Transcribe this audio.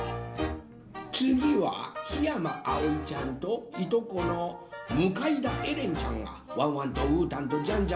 つぎはひやまあおいちゃんといとこのむかいだえれんちゃんがワンワンとうーたんとジャンジャン